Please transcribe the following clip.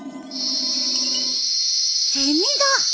セミだ。